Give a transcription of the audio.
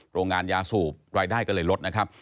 โรงงานยาสูบรายได้ก็เลยลดนะครับ